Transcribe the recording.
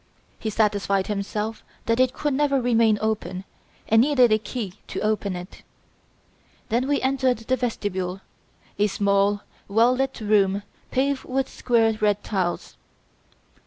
He satisfied himself that it could never remain open and needed a key to open it. Then we entered the vestibule, a small, well lit room paved with square red tiles.